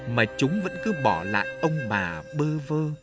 mà chúng vẫn cứ bỏ lại ông bà bơ vơ